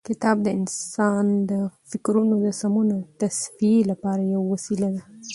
کتاب د انسان د فکرونو د سمون او تصفیې لپاره یوه وسیله ده.